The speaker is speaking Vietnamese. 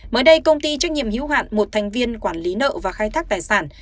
mới đây công ty trách nhiệm hữu hạn một thành viên quản lý nợ và khai thác tài sản